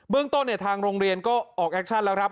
เรื่องต้นทางโรงเรียนก็ออกแอคชั่นแล้วครับ